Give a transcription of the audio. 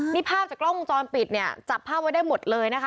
นี่ภาพจากกล้องวงจรปิดเนี่ยจับภาพไว้ได้หมดเลยนะคะ